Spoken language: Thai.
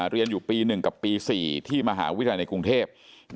เรียนอยู่ปี๑กับปี๔ที่มหาวิทยาลัยในกรุงเทพ